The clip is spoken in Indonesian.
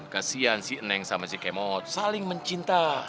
kesian si neng sama si kemot saling mencinta